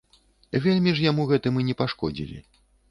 Вельмі ж яму гэтым і не пашкодзілі.